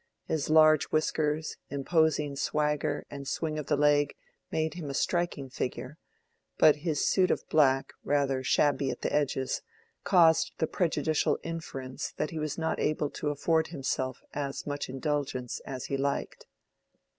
His large whiskers, imposing swagger, and swing of the leg, made him a striking figure; but his suit of black, rather shabby at the edges, caused the prejudicial inference that he was not able to afford himself as much indulgence as he liked.